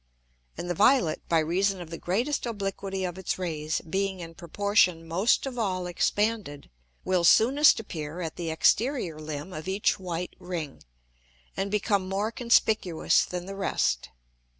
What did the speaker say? And the violet, by reason of the greatest obliquity of its Rays, being in proportion most of all expanded, will soonest appear at the exterior Limb of each white Ring, and become more conspicuous than the rest.